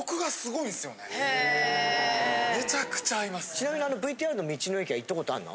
ちなみにあのＶＴＲの道の駅は行ったことあんの？